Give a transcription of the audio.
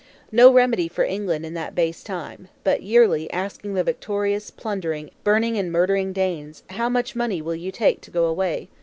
No remedy for England in that base time, but yearly asking the victorious, plundering, burning and murdering Danes, "How much money will you take to go away?"